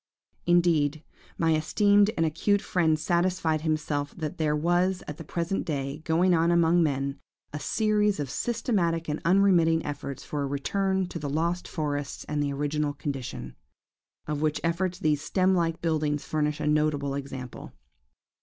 "Indeed, my esteemed and acute friend satisfied himself that there was, at the present day, going on among men, a series of systematic and unremitting efforts for a return to the lost forests and the original condition; of which efforts these stem like buildings furnish a notable example.